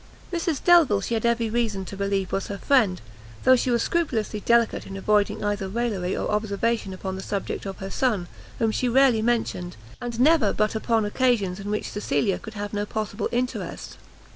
Mrs Delvile she had every reason to believe was her friend, though she was scrupulously delicate in avoiding either raillery or observation upon the subject of her son, whom she rarely mentioned, and never but upon occasions in which Cecilia could have no possible interest.